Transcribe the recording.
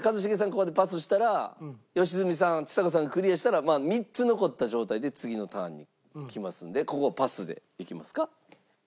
ここでパスしたら良純さんちさ子さんがクリアしたら３つ残った状態で次のターンにきますのでここパスでいきますか？